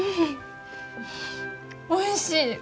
おいしい！